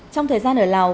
trong thời gian ở lào